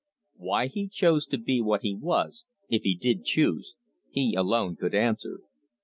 Why he chose to be what he was if he did choose he alone could answer.